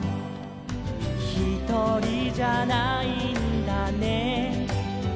「ひとりじゃないんだね」